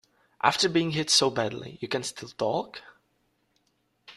After being hit so badly, you can still talk?